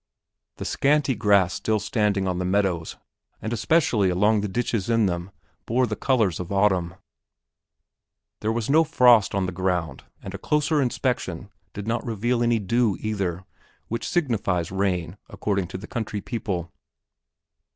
The scanty grass still standing on the meadows and especially along the ditches in them bore the colors of autumn. There was no frost on the ground and a closer inspection did not reveal any dew, either, which signifies rain, according to the country people.